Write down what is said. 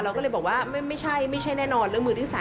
ก็เลยบอกว่าไม่ใช่ไม่ใช่แน่นอนเรื่องมือที่๓